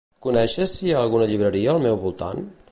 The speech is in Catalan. Coneixes si hi ha alguna llibreria al meu voltant?